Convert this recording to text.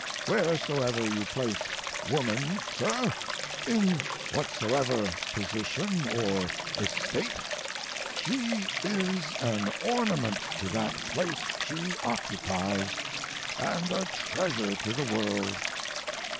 ] Wheresoever you place woman, sir in whatsoever position or estate she is an ornament to that place she occupies, and a treasure to the world.